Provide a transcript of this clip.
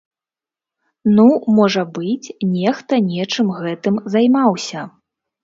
Ну, можа быць, нехта нечым гэтым займаўся.